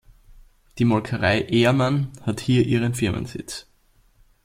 Die Molkerei Ehrmann hat hier ihren Firmensitz.